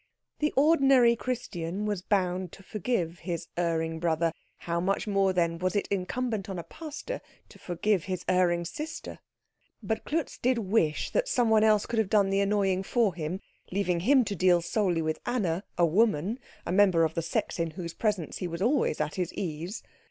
The ordinary Christian was bound to forgive his erring brother; how much more, then, was it incumbent on a pastor to forgive his erring sister? But Klutz did wish that someone else could have done the annoying for him, leaving him to deal solely with Anna, a woman, a member of the sex in whose presence he was always at his ease.